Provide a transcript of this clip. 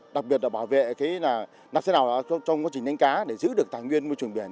đặc biệt là bảo vệ nạp xe nào trong quá trình nâng ca để giữ được tài nguyên môi trường biển